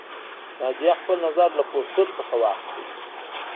ناجیه خپل نظر له پوسټر څخه واخیست